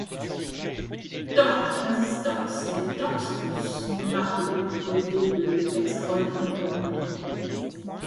Torx, Resistorx et Torx Plus sont des marques déposées de Textron, Inc.